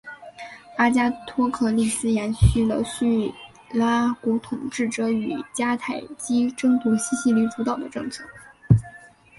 阿加托克利斯延续了叙拉古统治者与迦太基争夺西西里主导的政策。